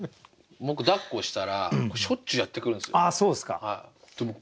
僕だっこしたらしょっちゅうやってくるんですよ。